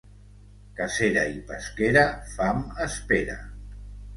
Cacera i pesquera, fam espera.